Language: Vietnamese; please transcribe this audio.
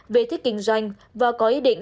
vê thích kinh doanh và có ý định